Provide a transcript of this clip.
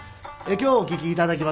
今日お聴き頂きます